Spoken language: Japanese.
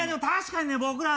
確かにね